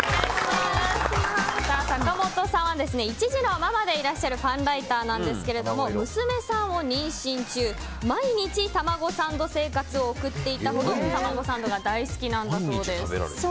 坂本さんは一児のママでいらっしゃるパンライターなんですけれど娘さんを妊娠中毎日、たまごサンド生活を送っていたほどたまごサンドが大好きなんだそうです。